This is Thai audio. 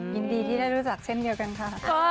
ยินดีที่ได้รู้จักเช่นเดียวกันค่ะ